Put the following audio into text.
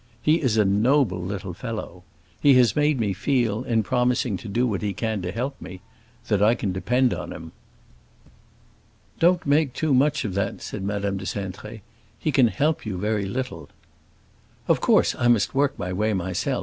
He is a noble little fellow. He has made me feel, in promising to do what he can to help me, that I can depend upon him." "Don't make too much of that," said Madame de Cintré. "He can help you very little." "Of course I must work my way myself.